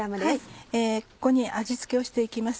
ここに味付けをして行きます。